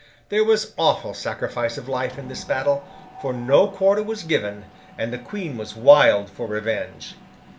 There was awful sacrifice of life in this battle, for no quarter was given, and the Queen was wild for revenge.